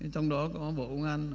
trong đó có bộ công an